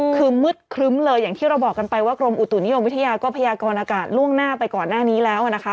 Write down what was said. คือมืดครึ้มเลยอย่างที่เราบอกกันไปว่ากรมอุตุนิยมวิทยาก็พยากรอากาศล่วงหน้าไปก่อนหน้านี้แล้วนะคะ